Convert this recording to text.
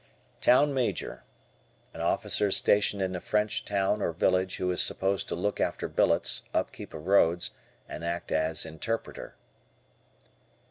Town Major. An officer stationed in a. French town or village who is supposed to look after billets, upkeep of roads, and act as interpreter.